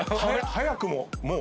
早くももう。